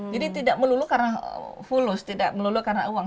jadi tidak melulu karena fulus tidak melulu karena uang